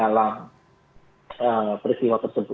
baik ada kemungkinan ya majelis hakim akan mempertimbangkan